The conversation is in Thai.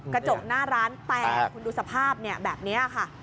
กระจกหน้าร้านแตกคุณดูสภาพแบบนี้ค่ะ